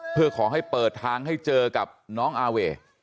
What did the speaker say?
เพื่อขอให้เปิดทางให้เจอกับน้องอาเว่